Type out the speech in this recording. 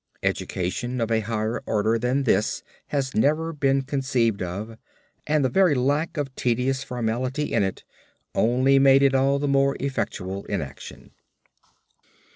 Education of a higher order than this has never been conceived of, and the very lack of tedious formality in it only made it all the more effectual in action.